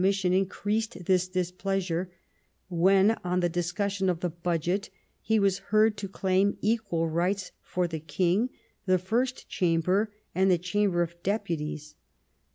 of Deputies mission increased this displeasure when, on the discussion of the budget, he was heard to claim equal rights for the King, the First Chamber, and the Chamber of Deputies.